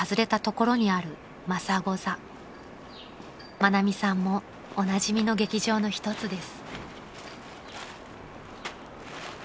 ［愛美さんもおなじみの劇場の一つです］